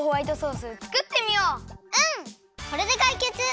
これでかいけつ！